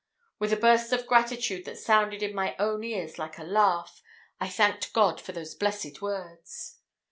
With a burst of gratitude that sounded in my own ears like a laugh, I thanked God for those blessed words.